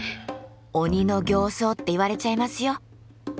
鬼の形相って言われちゃいますよ。